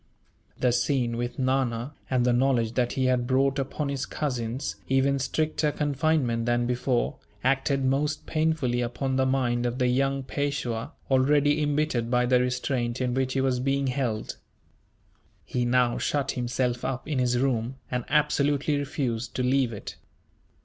The scene with Nana, and the knowledge that he had brought upon his cousins even stricter confinement than before, acted most painfully upon the mind of the young Peishwa, already embittered by the restraint in which he was being held. He now shut himself up in his room, and absolutely refused to leave it.